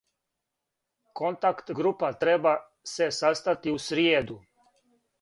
Контакт-група треба се састати у сриједу.